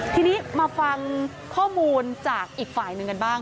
ทีนี้มาฟังข้อมูลจากอีกฝ่ายหนึ่งกันบ้าง